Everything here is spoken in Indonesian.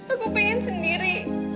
aku pengen sendiri